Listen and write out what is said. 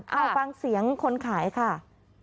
เอาฟังเสียงคนขายค่ะ